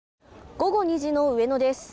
午後２時の上野です。